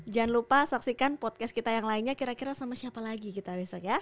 jangan lupa saksikan podcast kita yang lainnya kira kira sama siapa lagi kita besok ya